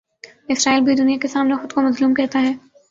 اسرائیل بھی دنیا کے سامنے خو دکو مظلوم کہتا ہے۔